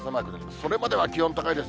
それまでは気温高いです。